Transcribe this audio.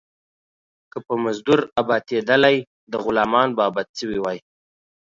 که په مزدور ابآتيدلاى ، ده غلامان به ابات سوي واى.